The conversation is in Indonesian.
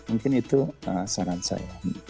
mungkin itu saran saya